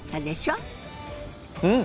うん！